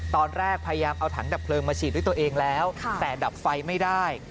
พยายามเอาถังดับเพลิงมาฉีดด้วยตัวเองแล้วแต่ดับไฟไม่ได้